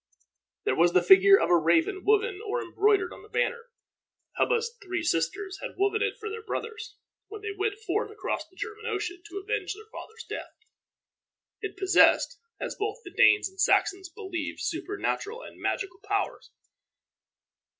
There was the figure of a raven woven or embroidered on the banner. Hubba's three sisters had woven it for their brothers, when they went forth across the German Ocean to avenge their father's death. It possessed, as both the Danes and Saxons believed, supernatural and magical powers.